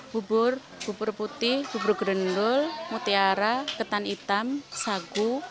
bubur bubur putih bubur gerendul mutiara ketan hitam sagu